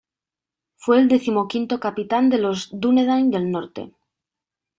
Fue el decimoquinto capitán de los dúnedain del Norte.